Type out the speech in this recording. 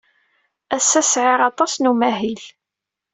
Ass-a, sɛiɣ aṭas n umahil.